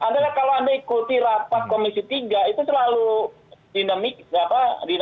kalau anda ikuti rapat komisi tiga itu selalu dinamikanya keras